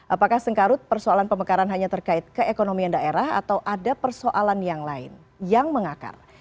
apakah sengkarut persoalan pemekaran hanya terkait keekonomian daerah atau ada persoalan yang lain yang mengakar